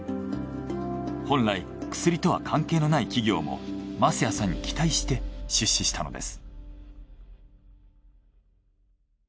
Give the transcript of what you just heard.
本来薬とは関係のない企業も舛屋さんに期待して出資したのです。